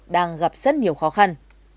đang gặp rất nhiều khó khăn